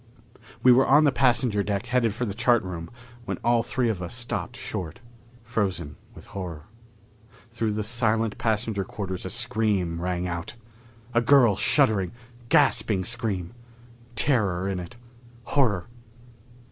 We were on the passenger deck headed for the chart room when all three of us stopped short, frozen with horror. Through the silent passenger quarters a scream rang out! A girl's shuddering, gasping scream. Terror in it. Horror.